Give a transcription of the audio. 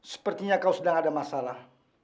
sepertinya kau sedang ada masalah